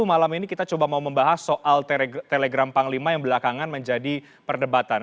malam ini kita coba mau membahas soal telegram panglima yang belakangan menjadi perdebatan